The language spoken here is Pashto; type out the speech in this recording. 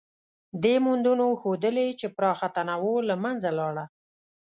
دې موندنو ښودلې، چې پراخه تنوع له منځه لاړه.